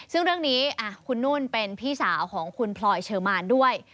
ซึ่งเรื่องนี้คุณนุ่นเป็นพี่สาวของคุณพลอยเชอร์มานด้วย